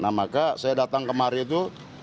nah maka saya datang kemari itu